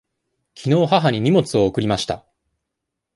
きのう母に荷物を送りました。